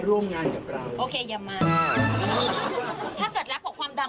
เรายังไม่จบ